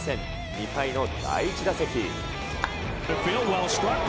２回の第１打席。